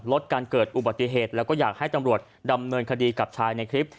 ลดการเกิดอุบัติเหตุแล้วก็อยากให้ตำรวจดำเนินคดีกับชายในคลิป